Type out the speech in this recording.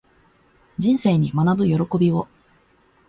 人生に学ぶ喜びを